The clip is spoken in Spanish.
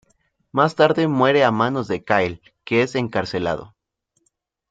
Más tarde muere a manos de Kyle, que es encarcelado.